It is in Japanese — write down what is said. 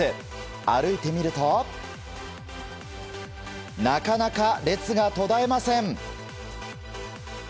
歩いてみるとなかなか列が途絶えません。